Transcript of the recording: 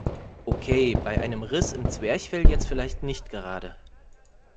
Okay, bei einem Riss im Zwerchfell jetzt vielleicht nicht gerade.